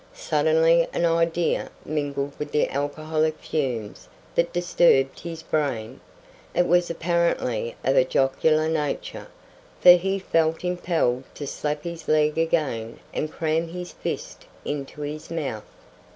Suddenly an idea mingled with the alcoholic fumes that disturbed his brain. It was apparently of a jocular nature, for he felt impelled to slap his leg again and cram his fist into his mouth.